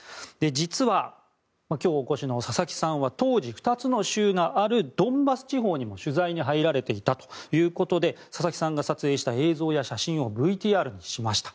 実は今日お越しの佐々木さんは当時、２つの州があるドンバス地方にも取材に入られていたということで佐々木さんが撮影した映像や写真をＶＴＲにしました。